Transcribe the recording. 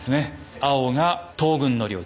青が東軍の領地